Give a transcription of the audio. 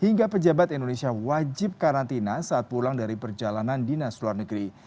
hingga pejabat indonesia wajib karantina saat pulang dari perjalanan dinas luar negeri